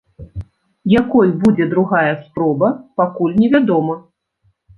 Якой будзе другая спроба, пакуль невядома.